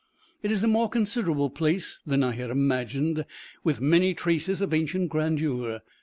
It is a more considerable place than I had imagined, with many traces of ancient grandeur.